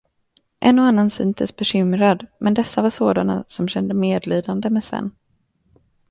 En och annan syntes bekymrad, men dessa var sådana, som kände medlidande med Sven.